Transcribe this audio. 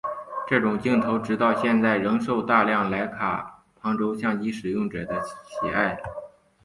这种镜头直到现在仍受到大量莱卡旁轴相机使用者的喜爱。